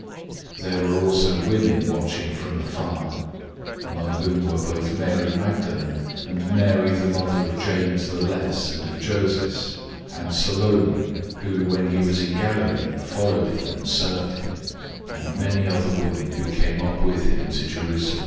015:040 There were also women watching from afar, among whom were both Mary Magdalene, and Mary the mother of James the less and of Joses, and Salome; 015:041 who, when he was in Galilee, followed him, and served him; and many other women who came up with him to Jerusalem.